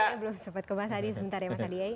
belum sempat ke mas hadi sebentar ya mas hadi